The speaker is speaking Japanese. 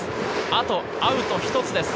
あとアウト１つです。